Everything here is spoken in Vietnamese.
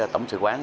tổng sự quán